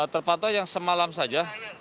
terpantau yang semalam saja